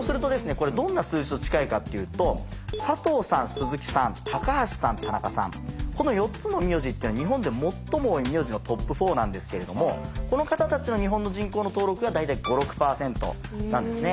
これどんな数字と近いかっていうとこの４つの名字っていうのは日本で最も多い名字のトップ４なんですけれどもこの方たちの日本の人口の登録が大体５６％なんですね。